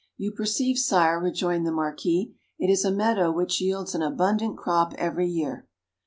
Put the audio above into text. "You perceive, Sire," rejoined the Marquis, "it is a meadow which yields an abundant crop every year."